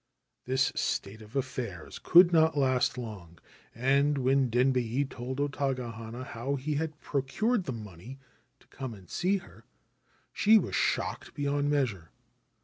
' This state of affairs could not last long, and when Denbei told O Taga hana how he had procured the money to come and see her she was shocked beyond measure.